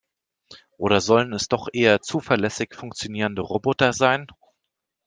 Oder sollen es doch eher zuverlässig funktionierende Roboter sein?